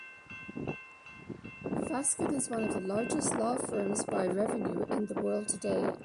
Fasken is one of the largest law firms by revenue in the world today.